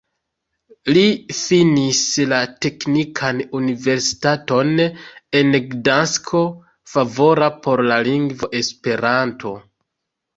Li finis la Teknikan Universitaton en Gdansko, favora por la lingvo Esperanto.